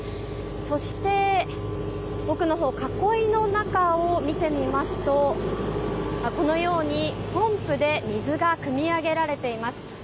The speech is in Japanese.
そして、奥のほう囲いの中を見てみますとこのようにポンプで水がくみ上げられています。